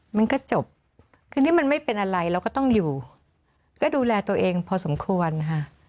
มันก็จบคือนี่มันไม่เป็นอะไรเราก็ต้องอยู่ก็ดูแลตัวเองพอสมควรค่ะ